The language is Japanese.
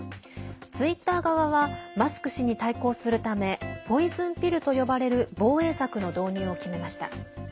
ツイッター側はマスク氏に対抗するためポイズンピルと呼ばれる防衛策の導入を決めました。